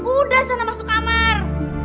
udah sana masuk kamar